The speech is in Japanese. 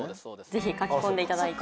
ぜひ書き込んでいただいて。